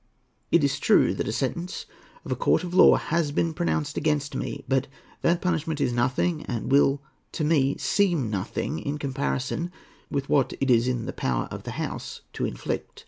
It is true that a sentence of a court of law has been pronounced against me; but that punishment is nothing, and will to me seem nothing, in comparison with what it is in the power of the House to inflict.